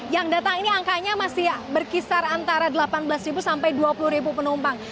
yang datang ini angkanya masih berkisar antara delapan belas sampai dua puluh penumpang